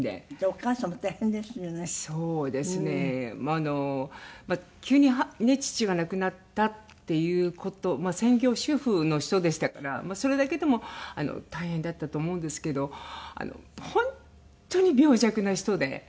あの急に父が亡くなったっていう事専業主婦の人でしたからそれだけでも大変だったと思うんですけど本当に病弱な人で。